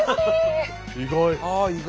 意外。